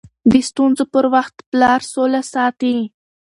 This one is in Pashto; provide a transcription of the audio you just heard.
د ستونزو پر وخت پلار سوله ساتي.